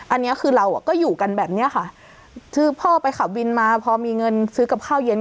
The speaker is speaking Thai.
อันนี้คือเราก็อยู่กันแบบเนี้ยค่ะคือพ่อไปขับวินมาพอมีเงินซื้อกับข้าวเย็น